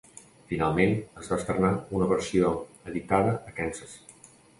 Finalment, es va estrenar una versió editada a Kansas.